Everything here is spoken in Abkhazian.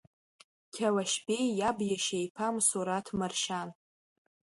Қьалашьбеи иаб иашьа иԥа мсаусҭ Маршьан…